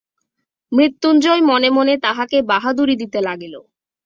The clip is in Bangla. মৃত্যুঞ্জয় মনে মনে তাহাকে বাহাদুরি দিতে লাগিল।